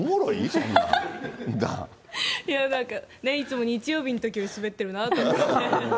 そんなん、いや、なんかね、いつも日曜日のときよりすべってるなと思って。